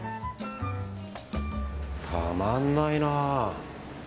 たまんないな。